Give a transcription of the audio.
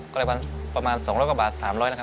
ก็เลยประมาณ๒๐๐กว่าบาท๓๐๐นะครับ